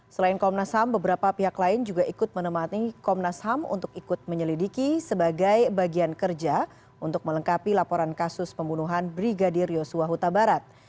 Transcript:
selain komnas ham beberapa pihak lain juga ikut menemani komnas ham untuk ikut menyelidiki sebagai bagian kerja untuk melengkapi laporan kasus pembunuhan brigadir yosua huta barat